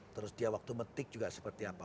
terus dia waktu metik juga seperti apa